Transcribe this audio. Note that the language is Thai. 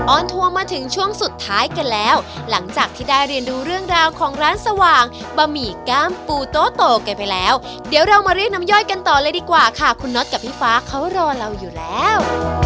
ทัวร์มาถึงช่วงสุดท้ายกันแล้วหลังจากที่ได้เรียนดูเรื่องราวของร้านสว่างบะหมี่ก้ามปูโตกันไปแล้วเดี๋ยวเรามาเรียกน้ำย่อยกันต่อเลยดีกว่าค่ะคุณน็อตกับพี่ฟ้าเขารอเราอยู่แล้ว